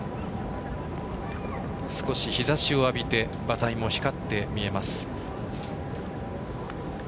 少し日ざしを浴びて馬体も光って見えます。